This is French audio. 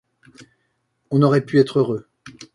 On aurait pu être heureux...